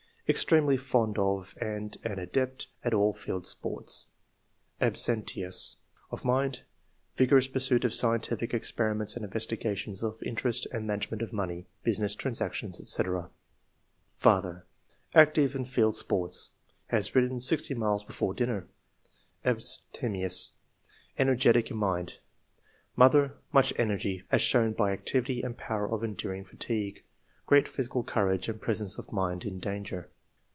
Extremely fond of and an adept at all field sports. Abstemious. Of mind — ^Vigorous pursuit of scientific experiments and investiga tions, of investment and management of money, business transactions, &c. 80 ENGLISH MEN OF SCIENCE. [chap. " Father — ^Active in field sports ; has ridden sixty miles before dinner. Abstemious. Ener getic in mind. Mother— Much energy, as shown by activity and power of enduring fatigue. Great physical courage and presence of mind in danger."